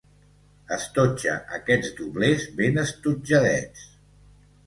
Estotja aquests doblers ben estotjadets.